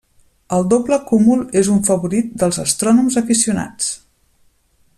El Doble Cúmul és un favorit dels astrònoms aficionats.